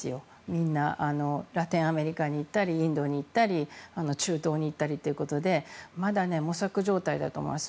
みんなラテンアメリカに行ったりインドに行ったり中東に行ったりということでまだ模索状態だと思います。